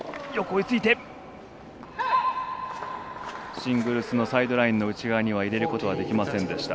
シングルスのサイドラインの内側には入れることはできませんでした。